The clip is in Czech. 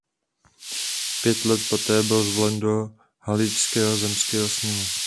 Pět let poté byl zvolen do Haličského zemského sněmu.